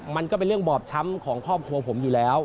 มันก็เป็นเรื่องบอบช้ำของครอบครัวผมอยู่แล้ว